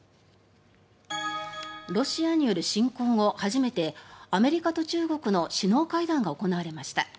ロシアによる侵攻後初めてアメリカと中国の首脳会談が行われました。